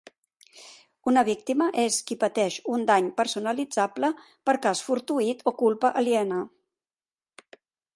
Una víctima és qui pateix un dany personalitzable per cas fortuït o culpa aliena.